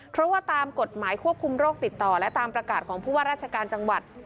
เพราะว่าตามกฎหมายควบคุมโรคติดต่อและตามประกาศของผู้ว่าราชการจังหวัด